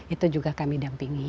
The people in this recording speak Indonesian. itu juga kami dampingi